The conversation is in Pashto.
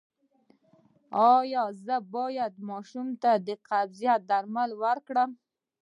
ایا زه باید ماشوم ته د قبضیت درمل ورکړم؟